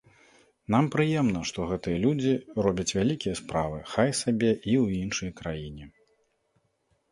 Нам прыемна, што гэтыя людзі робяць вялікія справы, хай сабе і ў іншай краіне.